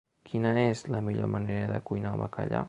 Quina és la millor manera de cuinar el bacallà?